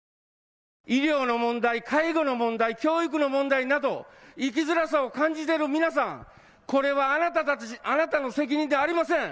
医療の問題、介護の問題、教育の問題など生きづらさを感じている皆さん、これはあなたの責任ではありません。